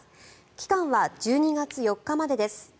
期間は１２月４日までです。